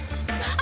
あ。